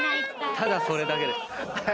ただそれだけです。